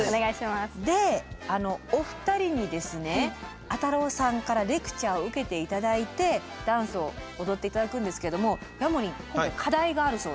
でお二人にですねあたろーさんからレクチャーを受けていただいてダンスを踊っていただくんですけれどもヤモリンここ課題があるそうで。